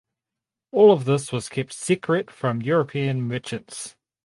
All of this was kept secret from European merchants.